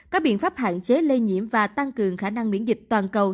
các biện pháp hạn chế lây nhiễm và tăng cường khả năng miễn dịch toàn cầu